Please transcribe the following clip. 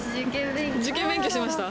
受験勉強してました？